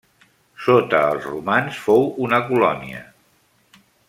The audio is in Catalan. Sota els romans, fou una colònia.